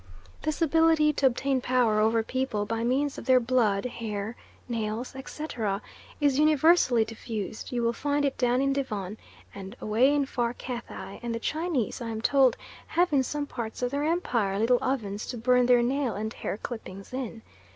This ability to obtain power over people by means of their blood, hair, nails, etc., is universally diffused; you will find it down in Devon, and away in far Cathay, and the Chinese, I am told, have in some parts of their empire little ovens to burn their nail and hair clippings in.